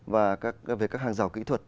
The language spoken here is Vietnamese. về các hàng giàu kỹ thuật